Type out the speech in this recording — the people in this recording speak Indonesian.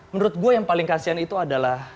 menurut gue yang paling kasihan itu adalah